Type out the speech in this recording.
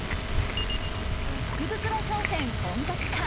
福袋商戦、本格化。